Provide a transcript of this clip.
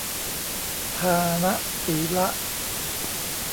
ทานะสีละ